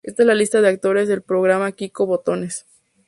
Esta es la lista de actores del programa Kiko Botones.